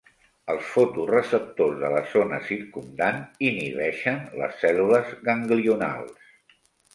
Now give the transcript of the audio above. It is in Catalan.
Els fotorreceptors de la zona circumdant "inhibeixen" les cèl·lules ganglionals.